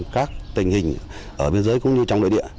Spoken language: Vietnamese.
các tình hình ở biên giới cũng như trong nội địa